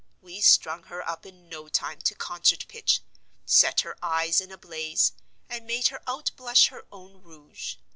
We strung her up in no time to concert pitch; set her eyes in a blaze; and made her out blush her own rouge.